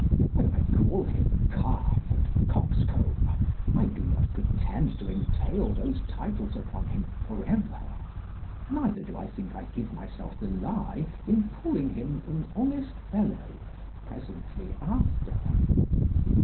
When I call him calf and coxcomb, I do not pretend to entail those titles upon him for ever; neither do I think I give myself the lie in calling him an honest fellow presently after.